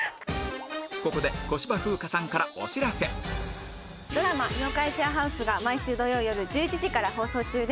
ここでドラマ『妖怪シェアハウス』が毎週土曜よる１１時から放送中です。